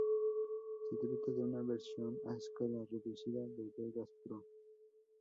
Se trata de una versión a escala reducida de Vegas Pro.